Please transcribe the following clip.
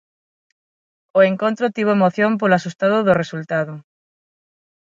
O encontro tivo emoción polo axustado do resultado.